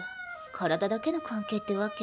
体だけの関係ってわけね。